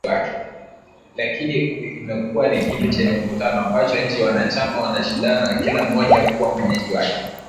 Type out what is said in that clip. Lakini imekuwa ni kitu chenye mvutano, ambapo nchi wanachama wanashindana kila mmoja kuwa mwenyeji wake.